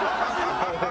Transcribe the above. ハハハハ！